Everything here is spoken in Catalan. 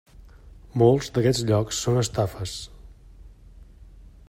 Molts d'aquests llocs són estafes.